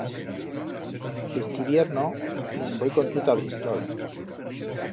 Iste hibierno me'n voi con tu ta Bristol.